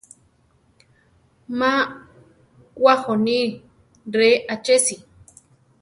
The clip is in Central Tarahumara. Má wajoní ¡reé achesi!